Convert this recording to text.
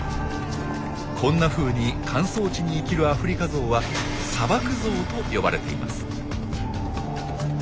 こんなふうに乾燥地に生きるアフリカゾウは「砂漠ゾウ」と呼ばれています。